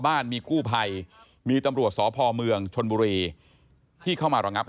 อย่าอย่าอย่าอย่าอย่าอย่าอย่าอย่าอย่าอย่าอย่าอย่าอย่าอย่า